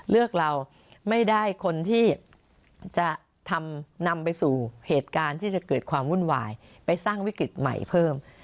เลือกเราไม่ได้คนที่จะทำนำไปสู่เหตุการณ์ที่จะเกิดความวุ่นวายไปสร้างวิกฤตใหม่เพิ่ม